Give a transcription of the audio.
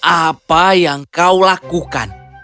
apa yang kau lakukan